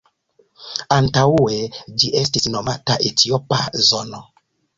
Antaŭe ĝi estis nomata Etiopa zono.